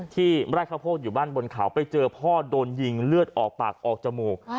ไร่ข้าวโพกอยู่บ้านบนเขาไปเจอพ่อโดนยิงเลือดออกปากออกจมูก